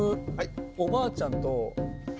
「おばあちゃん」と。